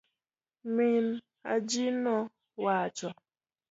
min hajinowacho